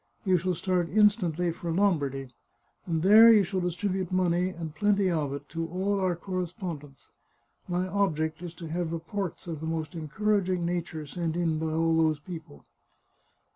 " You shall start instantly for Lombardy, and there you shall distribute money, and plenty of it, to all our correspondents. My object is to have reports of the most encouraging na ture sent in by all those people."